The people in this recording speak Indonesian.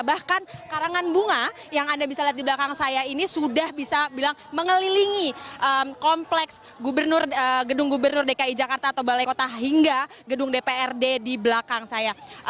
bahkan karangan bunga yang anda bisa lihat di belakang saya ini sudah bisa bilang mengelilingi kompleks gedung gubernur dki jakarta atau balai kota hingga gedung dprd di belakang saya